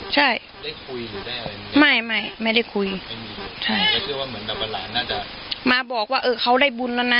ใช่ไม่ไม่ไม่ได้คุยใช่มาบอกว่าเออเขาได้บุญแล้วน่ะ